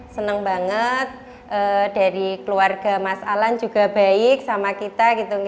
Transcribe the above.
senang banget dari keluarga mas alan juga baik sama kita